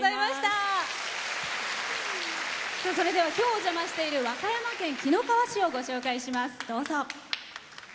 それでは今日、お邪魔している和歌山県紀の川市をご紹介します。